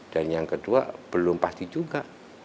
dan yang kedua belum pasti juga